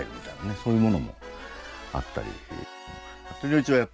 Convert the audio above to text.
そういうものもあったり。